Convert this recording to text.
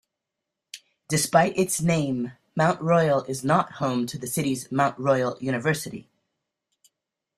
Despite its name, Mount Royal is not home to the city's Mount Royal University.